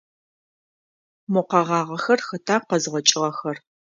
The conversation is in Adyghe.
Мо къэгъагъэхэр хэта къэзгъэкӏыгъэхэр?